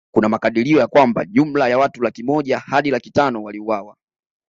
Kuna makadirio ya kwamba jumla ya watu laki moja Hadi laki tano waliuawa